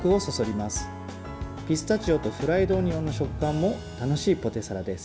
ピスタチオとフライドオニオンの食感も楽しいポテサラです。